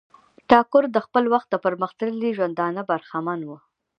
ټاګور د خپل وخت د پرمختللی ژوندانه برخمن وو.